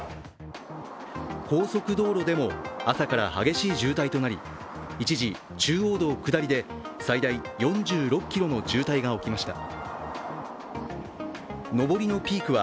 高速道路でも朝から激しい渋滞となり一時、中央道下りで最大４６ｋｍの渋滞が起きました。